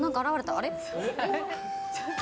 あれ？